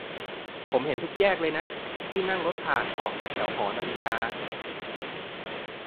ผมเห็นทุกแยกเลยนะ ที่นั่งรถผ่าน ออกจากแถวหอนาฬิกา